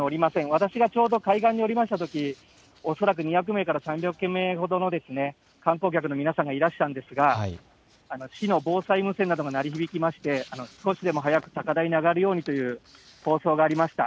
私がちょうど海岸におりましたとき恐らく２００名から３００名ほどの観光客の皆さんがいらしたんですが、市の防災無線などが鳴り響いて少しでも早く高台に上がるようにという放送がありました。